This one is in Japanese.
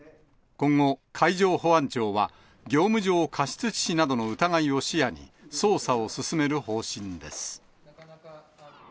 今後、海上保安庁は、業務上過失致死などの疑いを視野に、捜査を進める方針です。